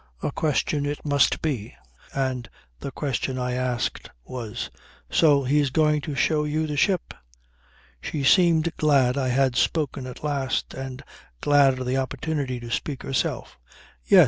A question it must be. And the question I asked was: "So he's going to show you the ship?" She seemed glad I had spoken at last and glad of the opportunity to speak herself. "Yes.